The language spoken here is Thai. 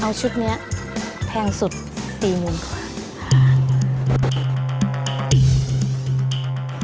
เอาชุดนี้แพงสุด๔มุมค่ะ